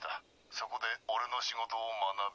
そこで俺の仕事を学べ。